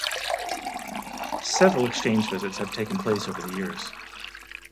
Several exchange visits have taken place over the years.